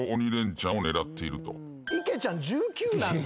池ちゃん１９なんだ！？